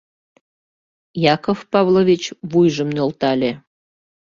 — Яков Павлович вуйжым нӧлтале.